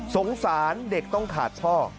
สงสารเด็กต้องขาดท่อ